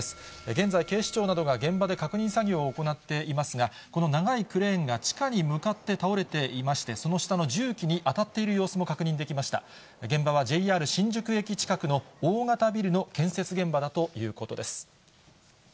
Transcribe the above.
現在、警視庁などが現場で確認作業を行っていますが、この長いクレーンが地下に向かって倒れていまして、現場はＪＲ新宿駅近くの大型ビルの建設現場だということです。